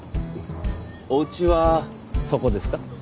お家はそこですか？